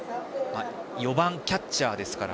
４番キャッチャーですから。